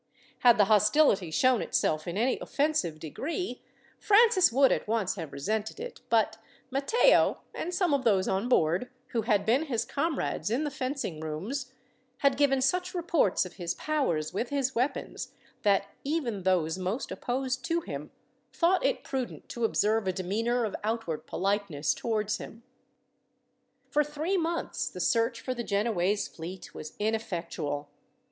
Had the hostility shown itself in any offensive degree Francis would at once have resented it; but Matteo, and some of those on board, who had been his comrades in the fencing rooms, had given such reports of his powers with his weapons, that even those most opposed to him thought it prudent to observe a demeanour of outward politeness towards him. For three months the search for the Genoese fleet was ineffectual.